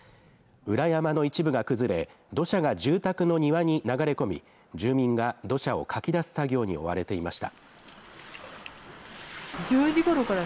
裏山の一部が崩れ、土砂が住宅の庭に流れ込み、住民が土砂をかき出す作業に追われていました。